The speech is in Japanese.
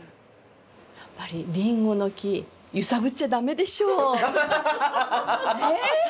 やっぱり林檎の木ゆさぶっちゃ駄目でしょう！ねえ！